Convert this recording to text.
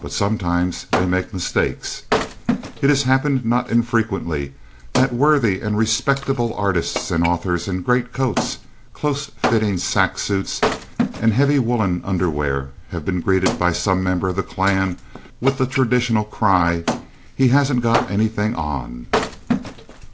But sometimes they make mistakes. It has happened not infrequently that worthy and respectable artists and authors in great coats, close fitting sack suits, and heavy woolen underwear, have been greeted by some member of the clan with the traditional cry, "He hasn't got anything on."